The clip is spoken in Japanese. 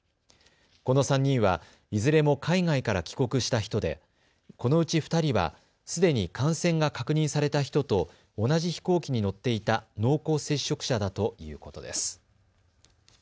この３人はいずれも海外から帰国した人でこのうち２人はすでに感染が確認された人と同じ飛行機に乗っていた濃厚接触者だということです。